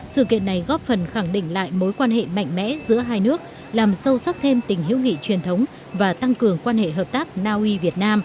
sự kiện này góp phần khẳng định lại mối quan hệ mạnh mẽ giữa hai nước làm sâu sắc thêm tình huyện